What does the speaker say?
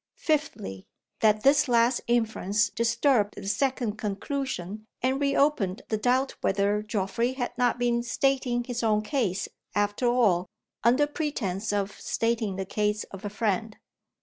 Fifthly, that this last inference disturbed the second conclusion, and reopened the doubt whether Geoffrey had not been stating his own case, after all, under pretense of stating the case of a friend.